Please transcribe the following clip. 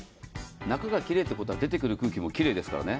中が奇麗ということは出てくる空気も奇麗ですからね。